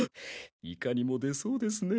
いかにも出そうですね。